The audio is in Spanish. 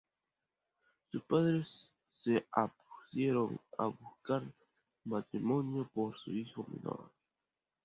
Su padre, se apresuró a buscar un matrimonio para su hija menor.